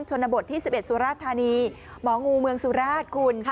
ชนบทที่๑๑สุราธานีหมองูเมืองสุราชคุณ